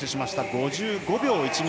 ５５秒１２。